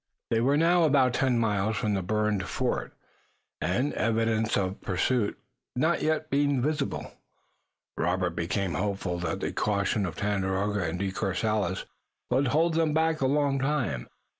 They were now about ten miles from the burned fort, and, evidences of pursuit not yet being visible, Robert became hopeful that the caution of Tandakora and De Courcelles would hold them back a long time.